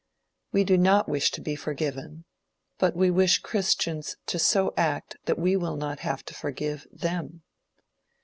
We do not wish to be forgiven, but we wish Christians to so act that we will not have to forgive them.